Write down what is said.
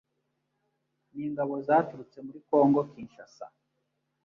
n'ingabo zaturutse muri Congo Kinshasa